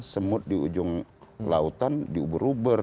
semut di ujung lautan diuber uber